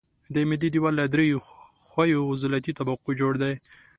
د معدې دېوال له درې ښویو عضلاتي طبقو جوړ دی.